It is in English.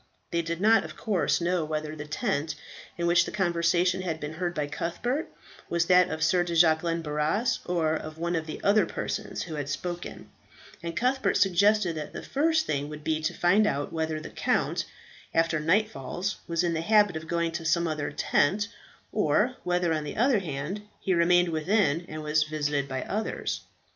They did not, of course, know whether the tent in which the conversation had been heard by Cuthbert was that of Sir de Jacquelin Barras, or of one of the other persons who had spoken; and Cuthbert suggested that the first thing would be to find out whether the count, after nightfall, was in the habit of going to some other tent, or whether, on the other hand, he remained within, and was visited by others.